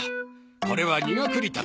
これはニガクリタケ。